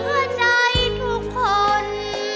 มีอำนาจเหนือในทุกคน